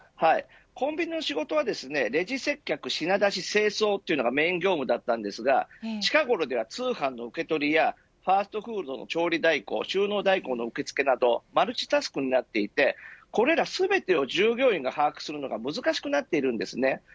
コンビニの仕事はレジ接客、品出し、清掃というのがメーン業務だったんですが近頃では通販の受け取りやファーストフードの調理代行収納代行の受け付けなどマルチタスクになっていてこれら全てを従業員が把握するのが難しくなっています。